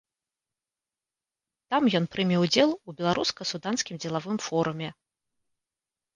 Там ён прыме ўдзел у беларуска-суданскім дзелавым форуме.